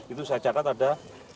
itu saya catat ada